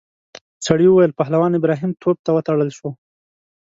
سړي وویل پهلوان ابراهیم توپ ته وتړل شو.